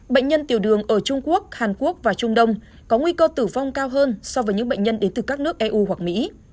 bệnh nhân tiểu đường ở trung quốc hàn quốc và trung đông có nguy cơ tử vong cao hơn so với những bệnh nhân đến từ các nước eu hoặc mỹ